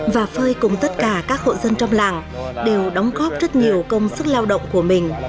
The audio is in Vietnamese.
và phơi cùng tất cả các hộ dân trong làng đều đóng góp rất nhiều công sức lao động của mình